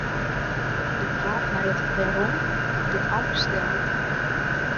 De fraach nei it wêrom wurdt amper steld.